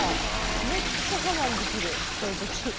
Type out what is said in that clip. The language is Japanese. めっちゃ我慢できるこういう時。